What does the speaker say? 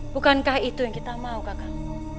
bukankah itu yang kita mau kakak